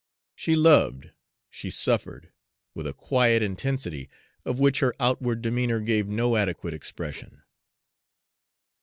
She loved, she suffered, with a quiet intensity of which her outward demeanor gave no adequate expression.